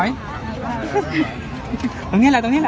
ขอช่วยคุณพี่อีกท่านหนึ่งครับ